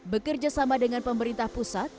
bekerja sama dengan pemerintah pusat